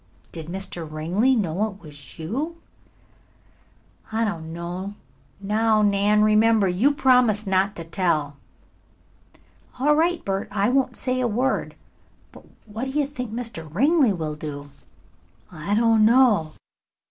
"Did Mr. Ringley know it was you?" "I don't know. Now, Nan, remember, you promised not to tell." "All right, Bert, I won't say a word. But but what do you think Mr. Ringley will do?" "I don't know."